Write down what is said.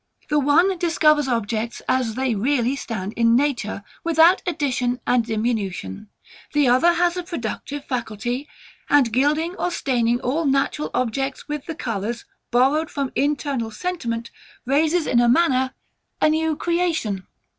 The one discovers objects as they really stand in nature, without addition and diminution: the other has a productive faculty, and gilding or staining all natural objects with the colours, borrowed from internal sentiment, raises in a manner a new creation.